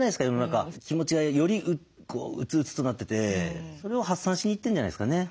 気持ちがより鬱々となっててそれを発散しに行ってんじゃないですかね。